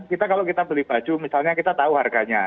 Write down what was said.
kita kalau kita beli baju misalnya kita tahu harganya